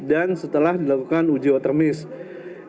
dan setelah dilakukan uji watermiss